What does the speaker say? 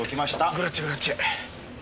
グラッチェグラッチェ。